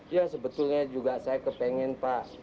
ya sebetulnya saya juga kepengen pak